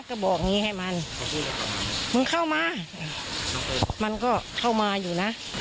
ก็บอกอย่างนี้ให้มันมึงเข้ามามันก็เข้ามาอยู่นะ